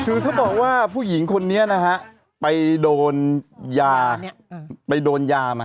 คือเขาบอกว่าผู้หญิงคนนี้นะฮะไปโดนยาไปโดนยามา